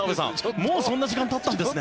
もうそんな時間がたったんですね。